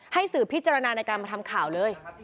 สื่อพิจารณาในการมาทำข่าวเลย